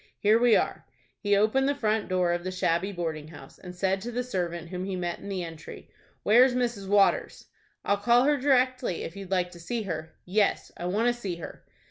Here we are." He opened the front door of the shabby boarding house, and said to the servant whom he met in the entry, "Where's Mrs. Waters?" "I'll call her directly, if you'd like to see her." "Yes, I want to see her."